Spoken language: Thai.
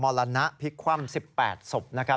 มรณะพิควรรม๑๘สบนะครับ